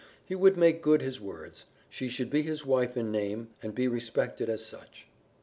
He would make good his words she should be his wife in name and be respected as such.